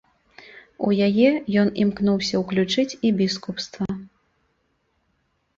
У яе ён імкнуўся ўключыць і біскупства.